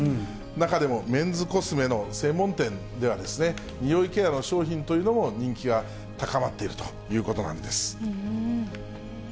中でも、メンズコスメの専門店では、においケアの商品というのも人気が高まっているということなんです。